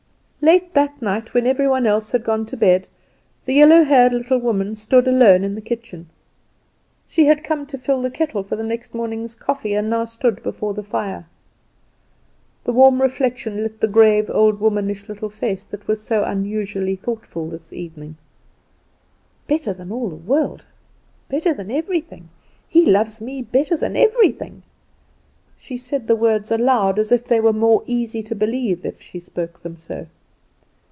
Late that night, when every one else had gone to bed, the yellow haired little woman stood alone in the kitchen. She had come to fill the kettle for the next morning's coffee, and now stood before the fire. The warm reflection lit the grave old womanish little face, that was so unusually thoughtful this evening. "Better than all the world; better than everything; he loves me better than everything!" She said the words aloud, as if they were more easy to believe if she spoke them so.